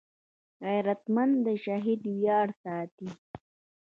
غیرتمند د شهید ویاړ ساتي